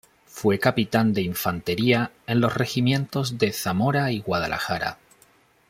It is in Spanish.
Fue capitán de infantería en los regimientos de Zamora y Guadalajara.